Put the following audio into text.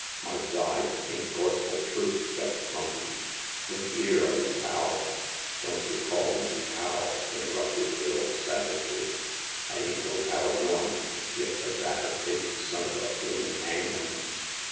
M' I die if 'tain't gorspel truth!" yelped Monkey. Look 'ee 'ere, ole pal "Don't y' call me pal !" interrupted Bill, sav agely. I ain't no pal of yourn, y' terbaccer faiced son of a bloomin' 'angman